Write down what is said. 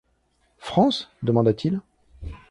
France ? demanda-t-il.